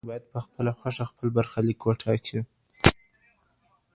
خلګ بايد په خپله خوښه خپل برخليک وټاکي.